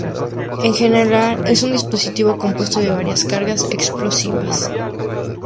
En general, es un dispositivo compuesto de varios cargas explosivas.